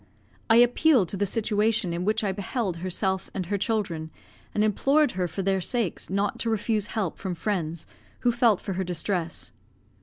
I appealed to the situation in which I beheld herself and her children, and implored her, for their sakes, not to refuse help from friends who felt for her distress.